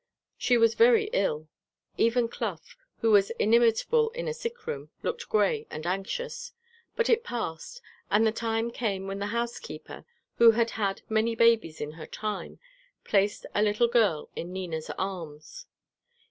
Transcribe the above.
She was very ill. Even Clough, who was inimitable in a sick room, looked grey and anxious. But it passed; and the time came when the housekeeper, who had had many babies in her time, placed a little girl in Nina's arms.